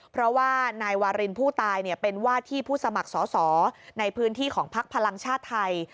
เพราะว่านายวารินผู้ตายเป็นว่าที่ผู้สมัครสอสอในพื้นที่ของพักพลังชาติไทย